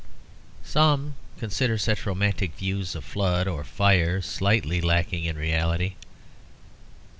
Some consider such romantic views of flood or fire slightly lacking in reality.